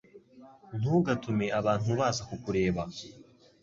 ntugatume abantu baza kukureba